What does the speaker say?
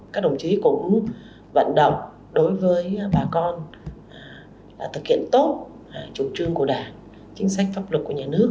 các đồng chí cũng vận động đối với bà con thực hiện tốt trụ trương của đảng